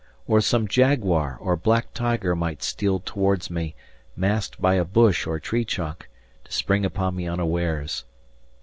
Or some jaguar or black tiger might steal towards me, masked by a bush or tree trunk, to spring upon me unawares.